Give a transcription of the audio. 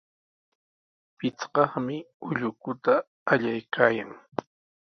Pichqaqmi ullukuta allaykaayan.